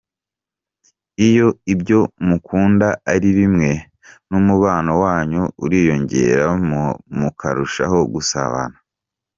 Iyo ibyo mukunda ari bimwe n’umubano wanyu uriyongera mukarushaho gusabana.